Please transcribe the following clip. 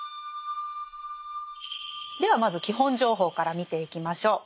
ではまず基本情報から見ていきましょう。